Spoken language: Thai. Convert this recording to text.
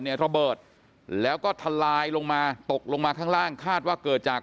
ระเบิดแล้วก็ทลายลงมาตกลงมาข้างล่างคาดว่าเกิดจาก